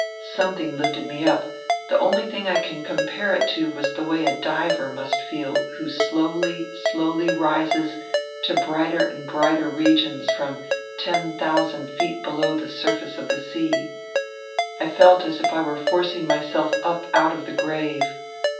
Something lifted me up. The only thing I can compare it to was the way a diver must feel who slowly, slowly rises to brighter and brighter regions from ten thousand feet below the surface of the sea. I felt as if I were forcing myself up out of the grave.